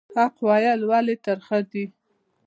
حق ویل ولې ترخه دي؟